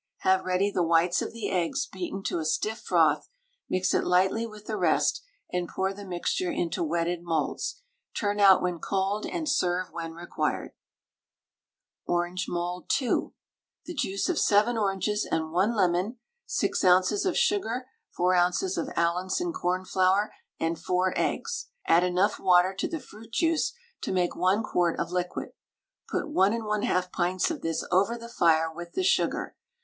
Have ready the whites of the eggs beaten to a stiff froth, mix it lightly with the rest, and pour the mixture into wetted moulds. Turn out when cold and serve when required. ORANGE MOULD (2). The juice of 7 oranges and 1 lemon, 6 oz. of sugar, 4 oz. of Allinson cornflour, and 4 eggs. Add enough water to the fruit juice to make 1 quart of liquid. Put 1 1/2 pints of this over the fire with the sugar.